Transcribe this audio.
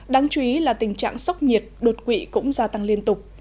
đáng chú ý là tình trạng sốc nhiệt đột quỵ cũng gia tăng liên tục